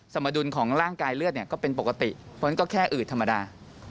สมดุลของร่างกายเลือดก็เป็นปกติเพราะฉะนั้นก็แค่อืดธรรมดา